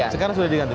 sekarang sudah diganti